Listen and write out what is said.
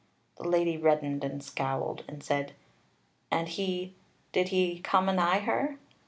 The Lady reddened and scowled, and said: "And he... did he come anigh her?"